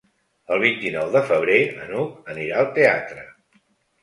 El vint-i-nou de febrer n'Hug anirà al teatre.